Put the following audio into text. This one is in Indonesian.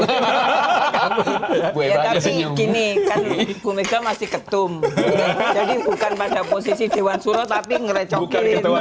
ini masih ketum jadi bukan pada posisi dewan surat tapi ngerecok